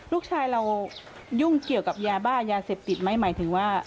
ลูกชายเรายุ่งเกี่ยวกับยาบ้ายาเสพติดไหมหมายถึงว่า